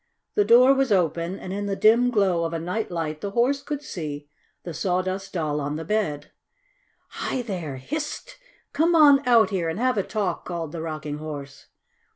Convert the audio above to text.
The door was open, and in the dim glow of a night light the Horse could see the Sawdust Doll on the bed. "Hi there! Hist! Come on out here and have a talk!" called the Rocking Horse.